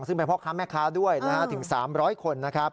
ซึ่งเป็นพ่อค้าแม่ค้าด้วยถึง๓๐๐คนนะครับ